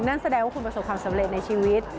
นั่นแสดงว่าคุณประสบความสำเร็จในชีวิต